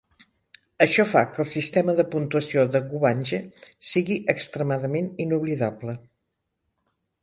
Això fa que el sistema de puntuació de Guwange sigui extremadament inoblidable.